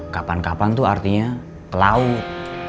kapan kapan tuh artinya ke laut